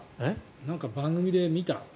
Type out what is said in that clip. なんか番組で見た。